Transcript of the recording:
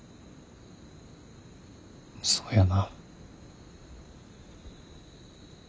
そうやな。